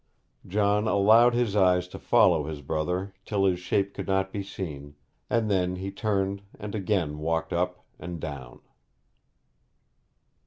John allowed his eyes to follow his brother till his shape could not be seen, and then he turned and again walked up and down.